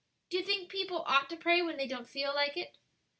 Do you think people ought to pray when they don't feel like it?"